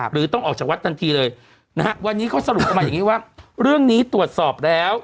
หรือต้องออกจากวัดทันทีเลยนะฮะวันนี้เขาสรุปออกมาอย่างนี้ว่าเรื่องนี้ตรวจสอบแล้ว